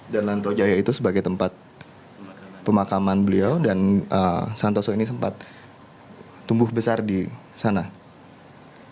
dan lantojaya itu sebagai tempat pemakaman beliau dan santoso ini sempat tumbuh besar di santoso